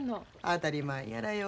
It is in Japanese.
当たり前やらよ。